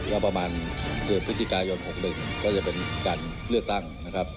ก็ประมาณเดือนพฤศจิกายน๖๑ก็จะเป็นการเลือกตั้งนะครับ